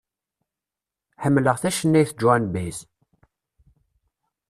Ḥemleɣ tacennayt Joan Baez.